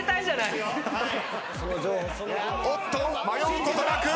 迷うことなく！